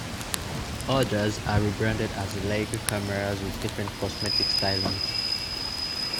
Others are rebranded as Leica cameras with different cosmetic stylings.